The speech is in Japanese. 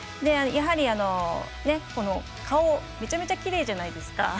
やはり、顔、めちゃめちゃきれいじゃないですか。